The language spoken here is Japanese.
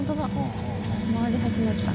回り始めた」